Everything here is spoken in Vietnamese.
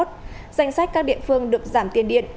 danh sách các địa phương được giảm tiền điện